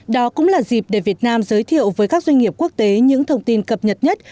đó cũng là dịp để việt nam giới thiệu với các doanh nghiệp quốc tế những thông tin cập nhật nhất